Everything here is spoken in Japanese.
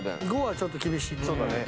５はちょっと厳しいね。